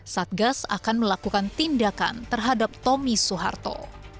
satgas akan melakukan tindakan terhadap tommy soeharto